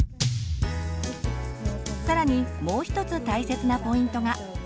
さらにもう一つ大切なポイントが。